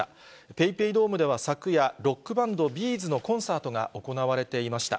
ＰａｙＰａｙドームでは昨夜、ロックバンド、Ｂ’ｚのコンサートが行われていました。